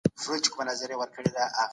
د قران تعلیمات د هرې زمانې لپاره دي.